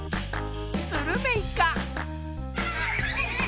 スルメイカ。